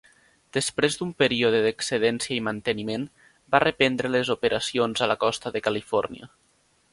Després d'un període d'excedència i manteniment, va reprendre les operacions a la costa de Califòrnia.